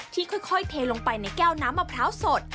ค่อยเทลงไปในแก้วน้ำมะพร้าวสด